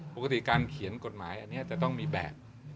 ปกติการเขียนกฎหมายอันนี้จะต้องมีแบบ